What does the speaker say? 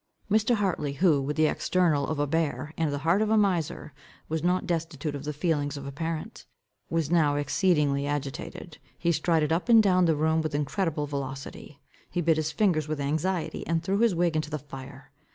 Mr. Hartley, who, with the external of a bear, and the heart of a miser, was not destitute of the feelings of a parent, was now exceedingly agitated. He strided up and down the room with incredible velocity. He bit his fingers with anxiety, and threw his wig into the fire.